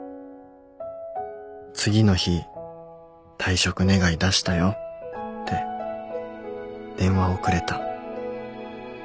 次の日退職願出したよって電話をくれた